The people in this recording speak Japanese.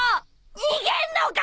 逃げんのかよ！